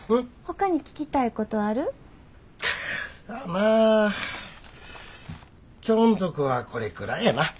かあまあ今日のとこはこれくらいやな。